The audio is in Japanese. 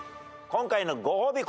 今回のご褒美